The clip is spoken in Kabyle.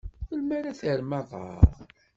Melmi ara terrem aḍar?